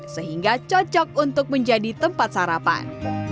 sehingga cocok untuk menjadi tempat sarapan